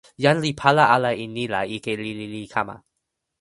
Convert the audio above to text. jan li pali ala e ni la ike lili li kama.